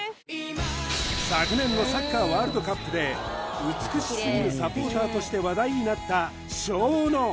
昨年のサッカーワールドカップで「美しすぎるサポーター」として話題になったＳＨＯＮＯ